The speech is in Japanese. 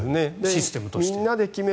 システムとしては。